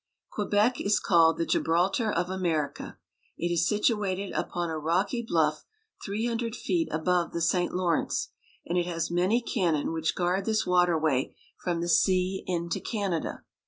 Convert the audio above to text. Quebec is called the Gibraltar of America. It is situ ated upon a rocky bluff three hundred feet above the St. Lawrence, and it has many cannon which guard this water way from the sea into Canada.